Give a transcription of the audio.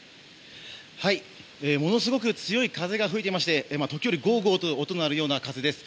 ものすごく強い風が吹いていまして時折ゴーゴーと音の鳴るような風です。